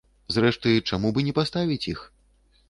Зрэшты, чаму б і не паставіць іх?